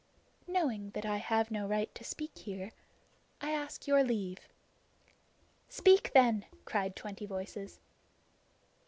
"Knowing that I have no right to speak here, I ask your leave." "Speak then," cried twenty voices.